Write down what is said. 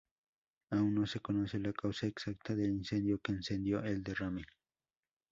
Aún no se conoce la causa exacta del incendio que encendió el derrame.